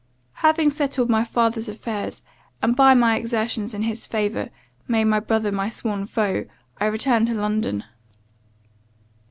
"Having settled my father's affairs, and, by my exertions in his favour, made my brother my sworn foe, I returned to London.